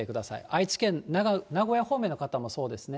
愛知県、名古屋方面の方もそうですね。